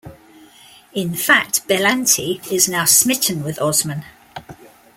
In fact Bellante is now smitten with Osman.